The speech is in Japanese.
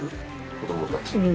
子どもたちに？